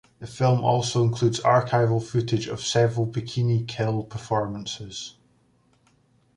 The film also includes archival footage of several Bikini Kill performances.